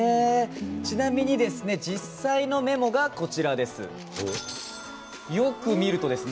ちなみにですね、実際のメモがこちらです。